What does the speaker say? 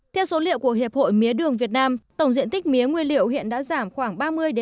theo số liệu của hiệp hội mía đường việt nam tổng diện tích mía nguyên liệu hiện đã giảm khoảng ba mươi năm mươi